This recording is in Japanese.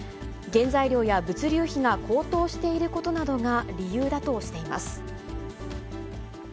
原材料や物流費が高騰していることなどが理由だとしています。